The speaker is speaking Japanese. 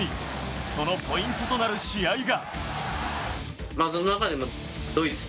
そのポイントとなる試合が。